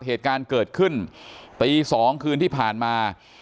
เหตุการณ์เกิดขึ้นตี๒คืนที่ผ่านมา